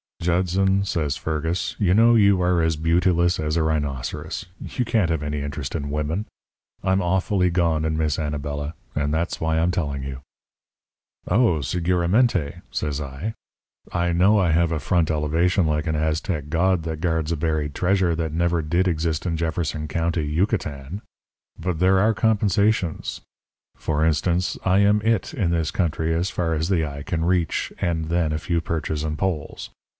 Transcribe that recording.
"'Judson,' says Fergus, 'you know you are as beautiless as a rhinoceros. You can't have any interest in women. I'm awfully gone in Miss Anabela. And that's why I'm telling you.' "'Oh, seguramente,' says I. 'I know I have a front elevation like an Aztec god that guards a buried treasure that never did exist in Jefferson County, Yucatan. But there are compensations. For instance, I am It in this country as far as the eye can reach, and then a few perches and poles.